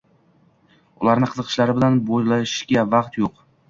Ularni qiziqishlari bilan boʻlishishga vaqt yo’q.